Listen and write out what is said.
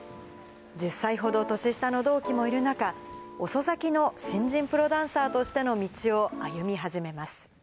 １０歳ほど年下の同期もいる中、遅咲きの新人プロダンサーとしての道を歩み始めます。